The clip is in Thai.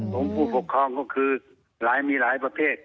สงฆ์ผู้ปกครองก็คือมีหลายประเทศ